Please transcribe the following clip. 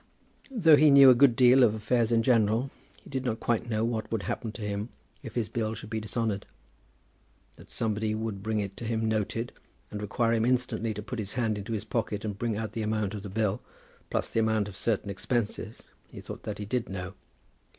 Though he knew a good deal of affairs in general, he did not quite know what would happen to him if his bill should be dishonoured. That somebody would bring it to him noted, and require him instantly to put his hand into his pocket and bring out the amount of the bill, plus the amount of certain expenses, he thought that he did know.